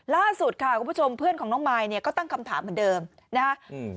ล่าสุดค่ะคุณผู้ชมเพื่อนของน้องมายเนี่ยก็ตั้งคำถามเหมือนเดิมนะฮะอืม